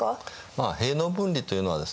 まあ兵農分離というのはですね